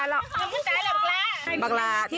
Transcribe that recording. เอาไว้